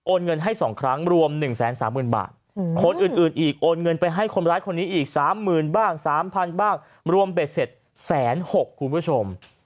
เงินให้๒ครั้งรวม๑๓๐๐๐บาทคนอื่นอีกโอนเงินไปให้คนร้ายคนนี้อีก๓๐๐๐บ้าง๓๐๐๐บ้างรวมเบ็ดเสร็จ๑๖๐๐คุณผู้ชม